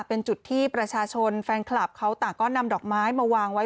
เป็นจุดที่ประชาชนแฟนคลับเขาต่างก็นำดอกไม้มาวางไว้